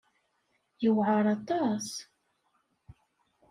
Yewɛeṛ aṭas.